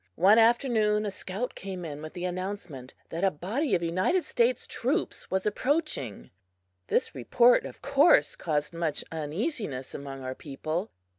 One afternoon a scout came in with the announcement that a body of United States troops was approaching! This report, of course, caused much uneasiness among our people.